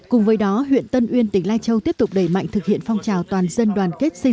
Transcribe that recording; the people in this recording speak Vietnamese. cùng với đó huyện tân uyên tỉnh lai châu tiếp tục đẩy mạnh thực hiện phong trào toàn dân đoàn kết